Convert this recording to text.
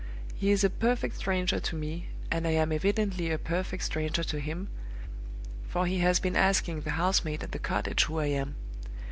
He is a perfect stranger to me, and I am evidently a perfect stranger to him, for he has been asking the house maid at the cottage who I am.